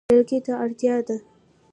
لرګي ته اړتیا ده.